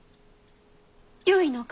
よいのか？